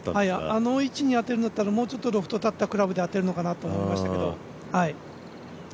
あの位置に当てるんだったらもうちょっとロフト立ったクラブに当てるのかなと思いましたけど。